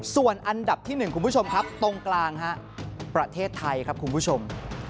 ส่วนอันดับที่๑คุณผู้ชมครับตรงกลางประเทศไทยครับคุณผู้ชม